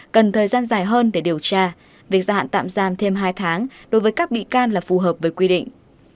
cần thời gian dài hơn để điều tra việc gia hạn tạm giam thêm hai tháng đối với các bị can là phù hợp với quy định